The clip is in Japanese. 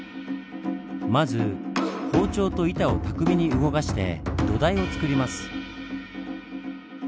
まず包丁と板を巧みに動かして土台を作ります。